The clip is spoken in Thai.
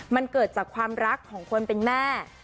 มันเกิดจากความรักของคนเป็นแม่